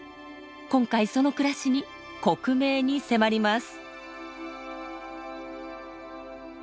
今回その暮らしに克明に迫ります。